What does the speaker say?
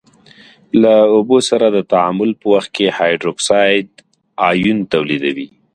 له اوبو سره د تعامل په وخت کې هایدروکساید آیون تولیدوي.